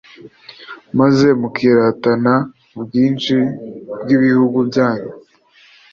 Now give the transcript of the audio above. maze mukiratana ubwinshi bw’ibihugu byanyu!